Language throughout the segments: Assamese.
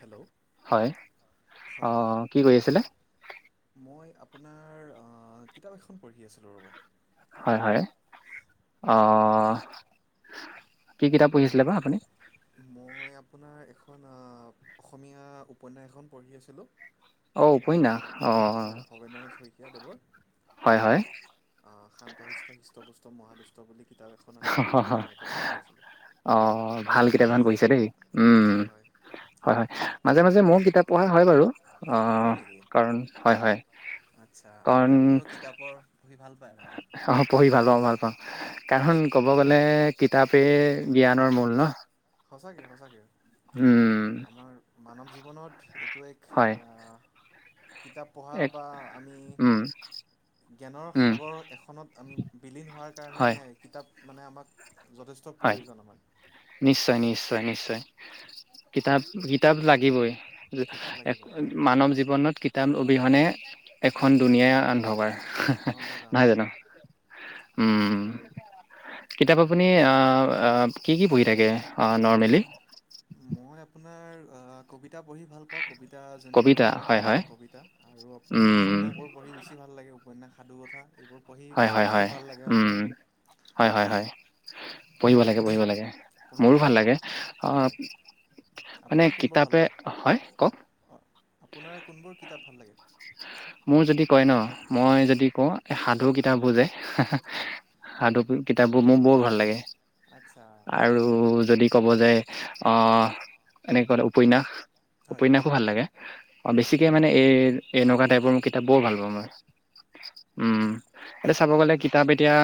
হেল্ল। হয় অঁ কি কৰি আছিলে? মই আপোনাৰ অঁ কিতাপ এখন পঢ়ি আছিলোঁ ৰ'ব। হয় হয় অঁ, কি কিতাপ পঢ়ি আছিলে বা আপুনি? মই আপোনাৰ এখন আ অসমীয়া উপন্যাস এখন পঢ়ি আছিলোঁ। অ' অঁ উপন্যাস ভৱ অ' অঁ ভবেন্দ্ৰনাথ শইকীয়া দেৱৰ। হয় হয়। অঁ শান্ত হিষ্ট হিষ্ট হৃষ্টপুষ্ট মহাদুষ্ট বুলি কিতাপ এখন আছে মই সেইখন একে পঢ়ি আছিলোঁ। অঁ ভাল কিতাপ এখন লাগিলে পঢ়িছা দে দেই উম। হয় হয় হয় হয়, মাজে মাজে ময়ো কিতাপ পঢ়া হয় বাৰু। হয় অঁ নেকি কাৰণ হয় হয় আচ্ছা মানে কাৰণ আপুনিও কিতাপৰ পঢ়ি ভাল পায় আৰু মানে? অঁ পঢ়ি ভাল পাওঁ ভাল পাওঁ, কাৰণ আচ্ছা ক'ব গ'লে কিতাপেই জ্ঞানৰ মূল ন। সঁচাকে সঁচাকে। উম। আমাৰ মানৱ জীৱনত এইটো এক হয় এহ কিতাপ পঢ়া এক বা আমি উম জ্ঞানৰ উম সাগৰ এখনত আমি বিলীন হোৱাৰ কাৰণে হয় কিতাপ মানে আমাক যথেষ্ চব হয় প্ৰয়োজন আমাৰ। নিশ্চয়, নিশ্চয়, নিশ্চয়, কিতাপ ভি কিতাপ লাগিবই, কিতাপ লাগিবই কিতাপ লাগিবই মানৱ জীৱনত কি তাপ অবিহনে এখন দুুনীয়া অন্ধকাৰ। অন্ধকাৰ নহয় জানো, অন্ধকাৰ উম। আৰু কিতাপ আপুনি আহ কি কি পঢ়ি থাকে নৰ্মেলি? মই আপোনাৰ কবিতা পঢ়ি ভাল পাও, কবিতা যোনবিলাক হয় কবি কবিতা আৰু আপোনাৰ উম উপন্যাসবোৰ পঢ়ি বেছি ভাল লাগে উপন্যাস সাধু কথা এইবোৰ পঢ়ি হয় হয় হয় খুব ভাল লাগে উম আপোনাৰ। হয় হয় হয়। পঢ়িব লাগে, পঢ়িব লাগে, পঢ়িব মোৰো ভাল লাগে। কিতাপ আহ হয় আপোনাৰ কোনবোৰ ভাল লাগে? হয় অঁ আপোনাৰ কোনবোৰ কিতাপ ভাল লাগে? মোৰ যদি কয় ন, মই যদি কওঁ এই সাধু কিতাপ তাপবোৰ যে হয় সাধু কিতাপ বোৰ মোৰ বৰ ভাল লাগে। আচ্ছা আৰু যদি ক'ব যায় আহ এনেকুৱা উপন্যাস। হয় উপন্যাসো ভাল লাগে, অ ভাল লাগে ন বেছিকে মানে এ এনেকুৱা টাইপৰ মোৰ কিতাপ বৰ ভাল পাওঁ মই, উম উম এতিয়া চাব আপোনাৰ গ'লে সাত কিতাপ এতিয়া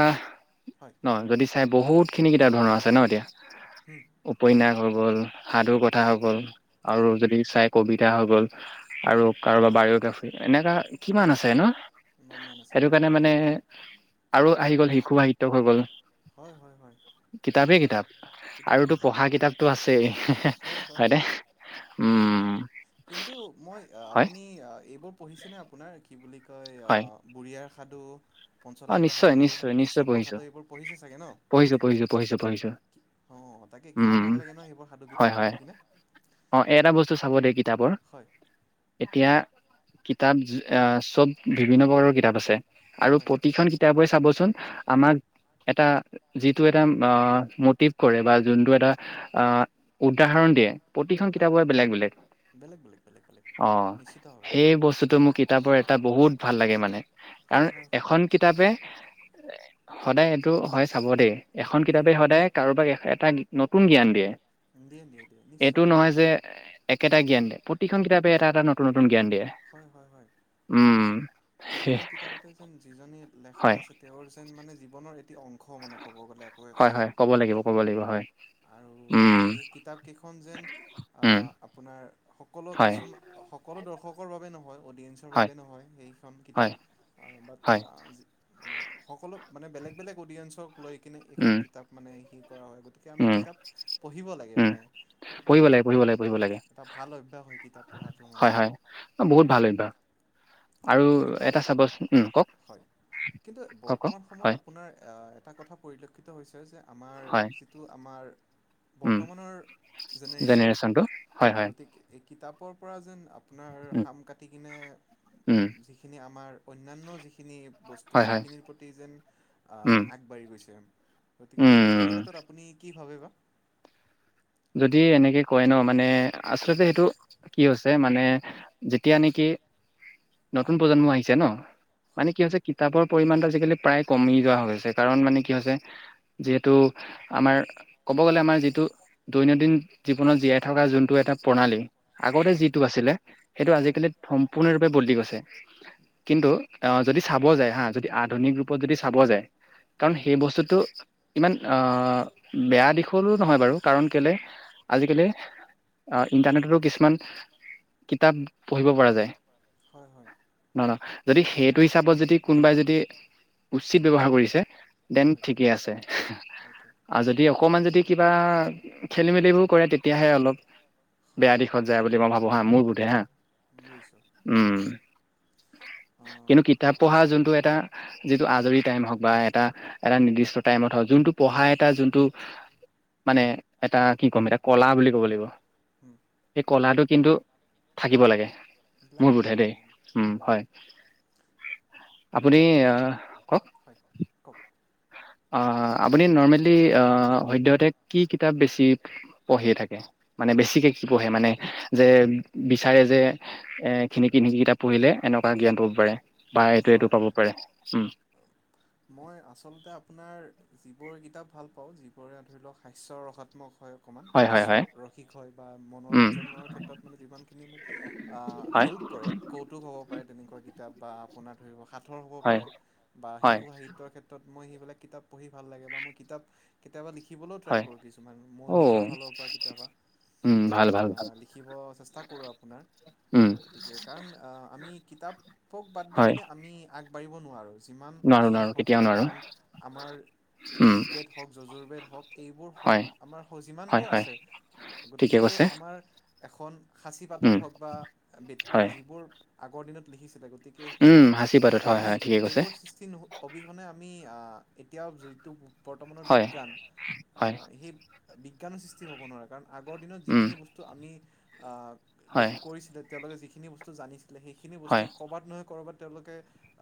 হয় ন যদি চাই বহুত খিনি কিতাপ ধৰণৰ আছে ন এতিয়া। [unintelligible] উপন্যাস হৈ গ'ল, সাধুৰ কথা হৈ গ'ল, হয় আৰু যদি চাই কবিতা হৈ গ'ল। উম, আৰু কাৰোবাৰ বায়োগ্ৰাফি এনেকা কিমান আছে ন, ইমান মান আছে সেইটো কাৰণে তাকে মানে আৰু আহি গ'ল শিশু সাহিত্য হৈ গ'ল। হয় হয় হয়। কিতাপেই কিতাপ কিতাপেই আৰুতো কিতাপ পঢ়া ক'ব গ'লে কিতাপটো আছেই হয় হয় হয়নে। হয় উম। কিন্তু মই হয় আপুনি এইবোৰ পঢ়িছেনে আপোনাৰ কি বুলি কয় অ হয় বুঢ়ী আইৰ সাধু, অ পঞ্চতন্ত্ৰৰ নিশ্চয় সাধু, নিশ্চয় নিশ্চয় ঈশপৰ পঢ়িছো সাধু, এইবোৰ পঢ়িছে চাগে পঢ়িছো পঢ়িছো পঢ়িছো পঢ়িছো ন? অঁ তাকে উম কিমান ভাল লাগে নহয় সেইবোৰ সাধু হয় কিতাপ হয় পঢ়ি কিনে। অ এটা বস্তু চাব দেই কিতাপৰ, হয়। এতিয়া কিতাপ চব বিভিন্ন প্ৰকাৰৰ কিতাপ আছে। আৰু হয় প্ৰতিখন কিতাপ পৰে চাবচোন আমাক, এটা যিটো এটা মটিভ কৰে বা যোনটো এটা আহ উদাহৰণ দিয়ে, প্ৰতিখন হয় কিতাপৰে বেলেগ বেলেগ, বেলেগ বেলেগ বেলেগ বেলেগ অ নিশ্চিতভাৱে সেই বস্তুটোৱে মোক কিতাপৰ এটা বহুত ভাল লাগে মানে। কাৰণ হয় হয় হয় এখন কিতাপে, সদায় সেইটো হয়, চাব দেই এখন উম, কিতাপে সদায় কাৰোবাক এটা নতুন জ্ঞান দিয়ে, দিয়ে দিয়ে দিয়ে এইটো নিশ্চয় নহয় যে একেটা জ্ঞান দিয়ে, প্ৰতিখন কিতাপে এটা এটা নতুন নতুন জ্ঞান দিয়ে। হয় হয় হয়। উম। হে প্ৰতিখন কিতাপতে যেন যিজনী লেখক হয়, আছে তেওঁৰ যেন মানে জীৱনৰ এটি অং শ মানে ক'ব গ'লে একো একো হয়, হয়, খন। ক'ব লাগিব, ক'ব লাগিব, হয়। আৰু উম, সেই কিতাপকেইখন যেন, অ, উম, আপোনাৰ সকলো হয়, কিছুমান সকলো দৰ্শকৰ বাবে নহয়, অদিয়েঞ্চৰ হয়, বাবে নহয়। সেই এখন হয়, কিতাপ, বাট হয়, মানে, সকলো মানে বেলেগ-বেলেগ অডিয়েঞ্চক লৈ কিনে এইখন উম, কিতাপ মানে সি কৰা হয়, গতিকে আমি উম, কিতাপ পঢ়িব লাগে উম, মানে। পঢ়িব লাগে, পঢ়িব লাগে, পঢ়িব লাগে, এটা ভাল অভ্যাস হয় কিতাপ পঢ়াটো মানে। হয়, হয়। বহুত ভাল অভ্যাস। আৰু কিন্তু এটা চাবচোন, উম, কওক, হয়। কিন্তু কওক, কওক! বৰ্তমান সময়ত হয়, আপোনাৰ এটা কথা পৰিলক্ষিত হৈছে যে আমাৰ হয়, যিটো, আমাৰ উম, বৰ্তমানৰ জেনেৰেশ্যন জেনেৰেশ্যনটো, হয়, হয়। গতিকে এই কিতাপৰ পৰা যেন আপোনাৰ, উম, সাম কাটি কিনে উম, যিখিন আমাৰ, অন্যান্য যিখিনি বস্তু, হয়, হয়, সেইখিনিৰ প্ৰতি যেন, উম, আ বাঢ়ি গৈছে, গতিকে উম, তেনেক্ষেত্ৰত আপুনি কি ভাবে বা? যদি এনেকে কয় ন, মানে আচলতে সেইটো কি হৈছে, মানে যেতিয়া নেকি, নতুন প্ৰজন্ম আহিছে ন! মানে হয় কি হৈছে, কিতাপৰ পৰিমাণটো আজিকালি প্ৰায় কমি যোৱা হৈ গৈছে, কাৰণ মানে কি হৈছে যিহেতু, আমাৰ ক'ব গ'লে, আমাৰ যিটো দৈনন্দিন জীৱনত জীয়াই থকাৰ যোনটো এটা প্ৰণালী আগতে হয় যিটো আছিলে, সেইটো হয় আজিকালি সম্পূৰ্ণৰূপে বদলি গৈছে। কিন্তু যদি চাব যায় হা, যদি আধুনিক ৰূপত যদি চাব যায়, কাৰণ হয় সেই বস্তুটো ইমান বেয়া দিশৰো নহয় বাৰু! কাৰণ কেলেই, আজিকালি ইণ্টাৰনেটতো কিছুমান কিতাপ পঢ়িব পৰা যায়। হয়, হয়। নহ, নহ, যদি সেইটো হিচাপত যদি কোনবাই যদি উচিত ব্যৱহাৰ কৰিছে দেন, হয় ঠিকে আছে, অ'কে আৰু যদি অকমান যদি কিবা খেলি-মেলিবোৰ কৰে, তেতিয়াহে অলপ হয় বেয়া হয় দিশত যায় বুলি মই ভাবো হা, মোৰ বোধে, হা। বুজিছোঁ উম। অঁ কিন্তু কিতাপ পঢ়া, যোনটো এটা আজৰি টাইম হওক বা এটা, এটা নিৰ্দিষ্ট টাইমত হওক, যোনটো পঢ়া এটা যোনটো মানে এটা কি ক'ম, এটা কলা বুলি ক'ব লাগিব। উম। এই কলাটো কিন্তু থাকিব লাগে, মোৰ লাগে বোধে লাগে দেই, লাগে উম, হয়। আপুনি কিতাপে, আহ কওক হয়, কওক। আপুনি নৰ্মেলি, আ, সদ্যহতে কি কিতাপ বেছি পঢ়িয়েই থাকে? মানে বেছিকে কি পঢ়ে মানে, যে বিচাৰে যে এ এইখিনি কিনি কিতাপ পঢ়িলে, এনেকুৱা জ্ঞান পাব পাৰে, বা এইটো-এইটো হয় পাব হয় পাৰে। উম। মই আচলতে আপোনাৰ যিবোৰ কিতাপ ভাল পাওঁ, যিবোৰে ধৰি লওক, হাস্যৰ ৰসত [unintelligible] হয় অকণমান, হয় হয় হাস্য হয় ৰসিক হয়, বা উম মনোৰঞ্জনৰ ক্ষেত্ৰত মানে যিমানখিনি মোক আ, হয় হেল্প কৰে। কৌতুক হ'ব পাৰে, তেনেকুৱা কিতাপ বা আপোনাৰ ধৰিব সাঁথৰ হ'ব হয় পাৰে, বা হয় শিশু সাহিত্য ক্ষেত্ৰত মই সেইবিলাক কিতাপ পঢ়ি ভাল লাগে, বা মই কিতাপ কেতিয়াবা লিখিবলৈও হয় ট্ৰাই কৰোঁ কিছুমান, মই অ নিজৰ ফালৰ পৰা কেতিয়াবা। উম ভাল ভাল ভাল লিখিব চেষ্টা কৰোঁ আপোনাৰ। উম গতিকে কাৰণ আ আমি কিতাপক বাদ দি হয় কিনে আমি আগবাঢ়িব নোৱাৰোঁ যিমান নোৱাৰো যি নোৱাৰো নহওক কেতিয়াও কিয় নোৱাৰো কাৰণ আমাৰ উম ঋকবেদ হওক, যযুৰ বেদ হওক এইবোৰ হওক, হয় আমাৰ হ হয় যিমানবোৰ হয় আছে গতিকে ঠিকে এইবোৰ কৈছে আমাৰ এখন সাচি উম পাতত হওক বা বিদ হয় যিবোৰ আগৰ দিনত লিখিছিলে গ তিকে উম সেইবোৰ সাঁচি পাতত হয় আমি হয় ঠিকে কৈছে সেইবোৰ সৃষ টি নু অবিহনে আমি আ এতিয়াও [unintelligible] বৰ্তমানৰ হয় বিজ্ঞান আ হয় সেই বিজ্ঞানৰ সৃষ্টি হ'ব নোৱাৰে কাৰণ আগৰ দিনত উম যিখিনি বস টো আমি আ লিখ হয় কৰিছিলোঁ তেওঁলোকে যিখিনি বস্তু জানিছ লে সেইখিনি বস্তু হয় ক'ৰবাত নহয় ক'ৰবাত তেওঁলোকে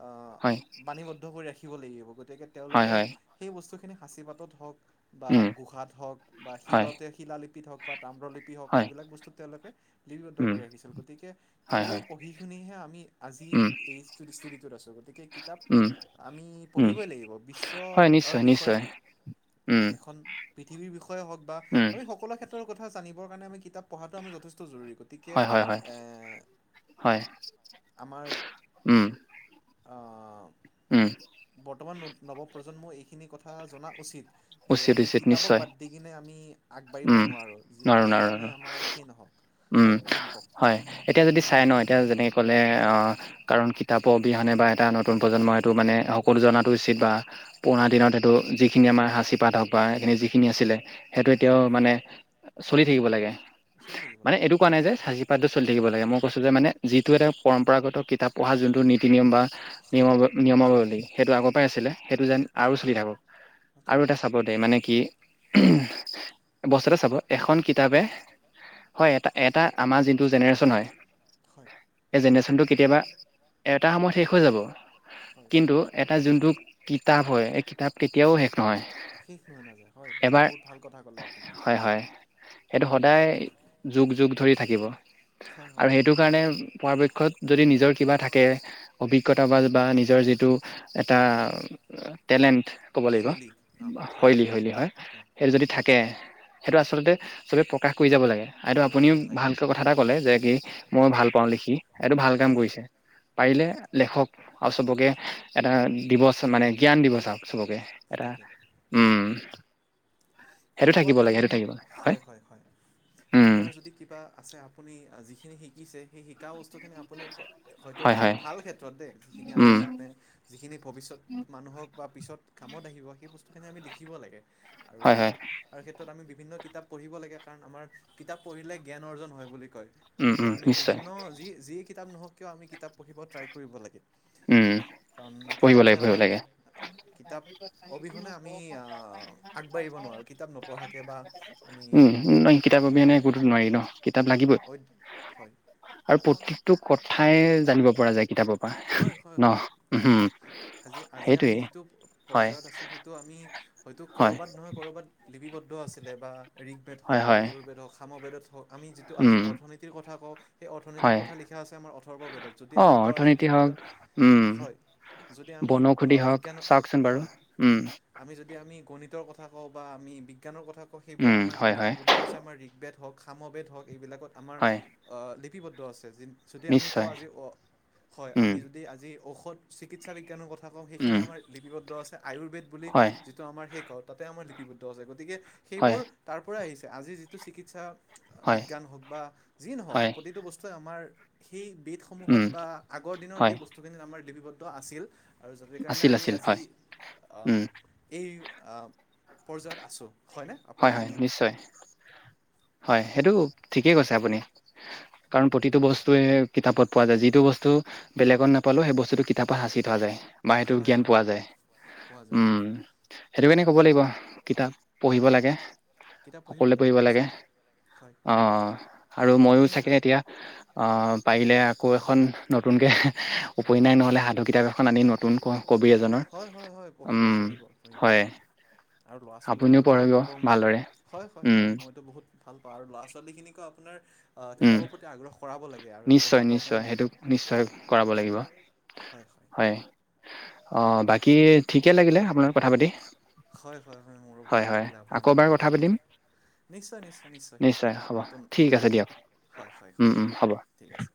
আ [inaudible] বাণীবদ্ধ কৰি ৰাখিব লাগিব গতিকে হয় তেওঁলোকে হয় সেই বস্তুখিনি সাঁচি পাতত হওক বা উম গুহাত হওক বা হয় শিলতে, শিলালিপিত হওক বা তাম্ৰলিপি হওক হয় এইবিলাক বস্তুত তেওঁলোকে লিপিবদ্ধ উম কৰি ৰাখিছিল গতিকে হয় হয় সেইবোৰ পঢ়ি শুনিহে আমি আজি উম এই স্তোত স্থিতিটোত আছোঁ গতিকে কিতাপ উম আমি উম পঢ়িবই লাগিব, হয় বিশ্বৰ নিশ্চয় বিষয়ে নিশ্চয় আ উম এখন পৃথিৱীৰ বিষয়ে হওক বা উম আমি সকলো ক্ষেত্ৰৰ কথা জানিবৰ কাৰণে আমি কিতাপ পঢ়াটো আমি যথেষ্ট জৰুৰী গ তিকে হয় হয় হয় এ হয় আমাৰ উম আ উম। বৰ্তমান ন নৱপ্ৰজন্মই এইখিনি কথা জনা উচিত। যে উচিত আমি উচিত কিতাপক নিশ্চয় বাদ দি কিনে আমি আগবাঢ়িব উম নোৱাৰোঁ, যি নোৱাৰো নোৱাৰো যিমানে নোৱাৰো। আমাৰ সেই নহওক। উম হয় আপুনি কওক? হয় এতিয়া যদি চাই ন এতিয়া যেনেক কলে অ কাৰণ কিতাপৰ অবিহনে বা এটা নতুন প্ৰজন্মই সেইটো মানে সকলো জনাটো উচিত বা পুৰণা দিনত সেইটো যিখিনি আমাৰ সাঁচিপাত হওক বা সেইখিনি যিখিনি আছিলে সেইটো হয় এতিয়াও মানে এ চলি থাকিব লাগে। চলি থাকিবলে। মানে এইটো কোৱা নাই যে সাঁচি পাতটো চলি থাকিব লাগে, মই কৈছোঁ যে মানে যিটো এটা পৰম্পৰাগত কিতাপ পঢ়া যোনটো নীতি- নিয়ম বা হয় নিয়মাৱ হয় নিয়মাৱলী সেইটো আগৰ পৰাই আছিলে সেইটো যেন আৰু আছিলে চলি থাকক আৰু চলি এটা থাকক বদে মানে কি উঁহুম বস্তুতে চাব এখন কিতাপে হয় এটা এটা আমাৰ যোনটো জেনেৰেশ্যন হয় হয়। জেনেৰেচনটো কেতিয়াবা, এটা সময়ত শেষ হৈ যাব। হয়। কিন্তু এটা যোনটো কিতাপ হয় এই কিতাপ কেতিয়াও শেষ নহয়। শেষ নহয় নাযায়, হয় এইটো এবাৰ বহুত ভাল কথা ক'লে আপুনি। হয় হয়, সেইটো সদায় যুগ - যুগ ধৰি থাকিব হয় আৰু হয় সেইটো কাৰণে পৰাপক্ষত যদি নিজৰ কিবা থাকে অভিজ্ঞতা বা বা নিজৰ যিটো এটা টেলেণ্ট ক'ব লাগিব, শৈলী অঁ হয় শৈলী - শৈলী হয় অঁ সেইটো যদি থাকে সেইটো আচলতে চবেই প্ৰকাশ কৰি যাব লাগে। এইটো আপুনিও লাগিব লাগে ভালকৈ কথা এটা ক'লে যে কি মই ভাল পাওঁ লিখি এইটো ভাল কাম হয় কৰিছে। পাৰিলে লেখক আৰু চবকে এটা দিৱস মানে জ্ঞান দিৱস চাওক চবকে এটা, তাকে উম। সেইটো ভালপোৱা থাকিব কাম লাগে সেইটো মানুহে থাকিব লাগে হয় হয়। উম আপোনাৰ যদি কিবা আছে। আপুনি যিখিনি শিকিছে সেই শিকা বস্তু খিনি আপুনি আপুনি হয়তো হয় ভাল হয় ভাল ক্ষেত্ৰত দেই যিখিনি আমি উম যা যিখিনি ভৱিষ্যত মানুহক বা পিছত কামত আহিব সেই বস্তুখিনি আমি লিখিব লাগে। আৰু হয় হয় কিতাপ, আৰু ক্ষেত্ৰত আমি বিভিন্ন কিতাপ, পঢ়িব লাগে। কাৰণ -আমাৰ কিতাপ পঢ়িলে জ্ঞান, অৰ্জন হয় বুলি কয়। উম গতিকে উম আমি নিশ্চয় বিভিন্ন যি যিয়ে কিতাপ নহওঁক কিয় আমি কিতাপ পঢ়িব ট্ৰাই কৰিব লাগে। উম কাৰণ পঢ়িব -কিতাপে, লাগে পঢ়িব আমাক লাগে কিতাপ অবিহনে আমি আগবাঢ়িব নোৱাৰোঁ [unintelligible] কিতাপ, নপঢ়াকে বা আমি উম নহ কিতাপ, অবি এনে একোতো নোৱাৰি ন কিতাপ লাগিবই। হয় আৰু প্ৰতিটো কথাই জানিব পৰা যায়। কিতাপৰ পৰা হয় হয় ন হয় উম আজি- আজি আমি সেইটোৱেই যিটো হয়, পৰ্যায়ত আছো সেইটো আমি হয়, হয়াত নহয়। লিপিবদ্ধৰ আছিলে বা ঋকবেদ, হওক হয়, বা হয়, যুজুৰ বেদ, হওক সামবেদত, হওক আমি আজি উম, অৰ্থনীতি কথা কওঁ সেই অৰ্থনীতিৰ হয়। কথা লিখা আছে আমাৰ অথৰ্ববেদত যদি আমি অ', কওঁ আজি অৰ্থনীতি ঋক হওঁক, বেদত উম, হয়, যদি আমি বনৌষধি অ' হওঁক বিজ্ঞানৰ চাওকচোন বাৰু। হয়। উম, আমি যদি আমি গণিতৰ, কথা কওঁ বা আমি বিজ্ঞানৰ, কথা কওঁ সেইবোৰ উম, আমাৰ হয়, হয়, লিপিবদ্ধ আছে আমাৰ ঋকবেদ, হওক সামবেদ, হওক এইবিলাকত আমাৰ হয়, লিপিবদ্ধ আছে। য যদি আমি কওঁ নিশ্চয়, আজি অ'। হয়, উম, আমি যদি আজি ঔষধ, চিকিৎসা বিজ্ঞানৰ, কথা কওঁ সেইখিনি উম, আমাৰ লিপিবদ্ধ আছে আয়ুৰ্বেদ, বুলি হয়, যিটো আমাৰ শেষওঁ তাতে আমাৰ লিপিবদ্ধ আছে গতিকে হয়, সেইবোৰ তাৰ পৰা আহিছে আজি যিটো চিকিৎসা। হয়, বিজ্ঞান হওক বা যিয়ে নহওক হয়, প্ৰতিটো বস্তুৱে আমাৰ সেই বেদসমূহত উম, বা আগৰ দিনৰ হয়, সেই বস্তুখিনিত আমাৰ লিপিবদ্ধ আছিল। আৰু যাতে কাৰণে আছিল, আমি আছিল, আজি হয়, উম, অ'। এই পৰ্যায়ত আছোঁ হয়নে? আপুনি হয়-হয় নিশ্চয়। হয়, সেইটো ঠিকেই কৈছে আপুনি কাৰণ প্ৰতিটো বস্তুৱে কিতাপত পোৱা যায়। যিটো বস্তু বেলেগত নাপালো সেই বস্তুটো কিতাপত সাঁচি থোৱা যায়। বা সেইটো হয় জ্ঞান হয় পোৱা হয় যায় পোৱা যায় উম। সেইটো কাৰণি ক'ব লাগিব কিতাপ পঢ়িব লাগে, সকলোৱে পঢ়িব লাগে। হয় অ' আৰু ময়ো আমি চাগে আজি এতিয়া পাৰিলে আকৌ হয় এখন নতুনকৈ উপন্যাস নহ'লে সাধু কিতাপ এখন আনি নতুন কবি, এজনৰ হয় হয় হয় পঢ়িব উম, পঢ়িব পঢ়িব হয়। আৰু ল'ৰা- আপুনিও ছোৱালীবিলাকে পঢ়িব ক'ব ভালদৰে হয়। হয়। উম হয়। মইতো বহুত ভাল পাওঁ আৰু ল'ৰা ছোৱালী খিনিকো আপোনাৰ আহ, উম কিতাপৰ, প্ৰতি আগ্ৰহ কৰাব লাগে আৰু নিশ্চয়। পঢ়াবৰ নিশ্চয়। কাৰণে সেইটো নিশ্চয় হয় কৰাব লাগিব হয়। অ' বাকী ঠিকে লাগিলে আপোনাৰ কথা পাতি হয় হয় হয়। মোৰো ভালে হয় লাগিলে আপোনাৰ আকৌ লগত এবাৰ কথা পাতি পাতিম নিশ্চয়। নিশ্চয়। নিশ্চয়। এক হ'ব নতুন ঠিক -নতুন আছে দিয়ক হয়। হয়। উম হয়। উম হ'ব ঠিক আছে।